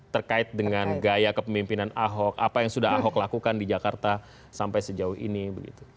terkait dengan gaya kepemimpinan ahok apa yang sudah ahok lakukan di jakarta sampai sejauh ini begitu